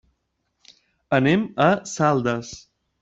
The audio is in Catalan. Anem a Saldes.